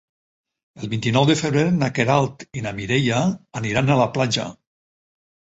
El vint-i-nou de febrer na Queralt i na Mireia aniran a la platja.